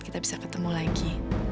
kita bisa ketemu lagi